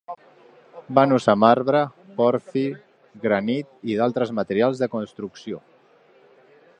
Van usar marbre, pòrfir, granit i d'altres materials de construcció.